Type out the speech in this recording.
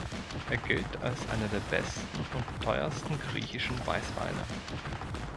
Er gilt als einer der besten und teuersten griechischen Weißweine.